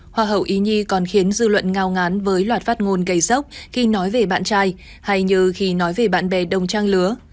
hoa hậu ý nhi còn khiến dư luận ngao ngán với loạt phát ngôn gây sốc khi nói về bạn trai hay như khi nói về bạn bè đồng trang lứa